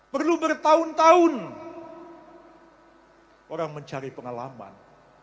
perlu bertahun tahun orang mencari pengalaman